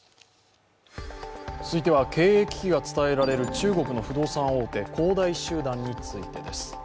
続いては経営危機が伝えられる中国の不動産大手・恒大集団についてです。